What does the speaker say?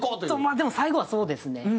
でも最後はそうですね。